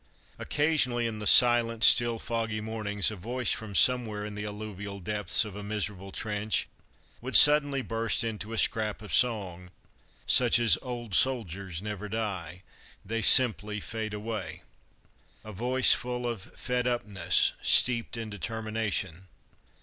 Occasionally, in the silent, still, foggy mornings, a voice from somewhere in the alluvial depths of a miserable trench, would suddenly burst into a scrap of song, such as Old soldiers never die, They simply fade away. a voice full of "fed upness," steeped in determination.